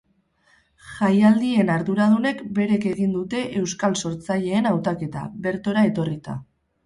Jaialdien arduradunek berek egin dute euskal sortzaileen hautaketa, bertora etorrita.